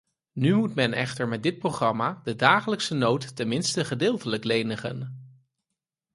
Nu moet men echter met dit programma de dagelijkse nood tenminste gedeeltelijk lenigen.